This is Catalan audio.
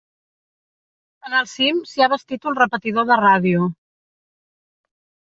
En el cim s'hi ha bastit un repetidor de ràdio.